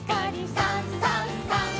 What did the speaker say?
「さんさんさん」